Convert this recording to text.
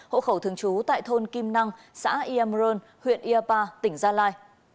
hộ khẩu thường trú tại thôn kim năng xã yemron huyện yapa tỉnh gia lai